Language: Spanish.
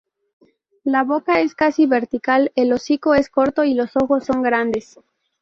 La boca es casi vertical, el hocico es corto y los ojos son grandes.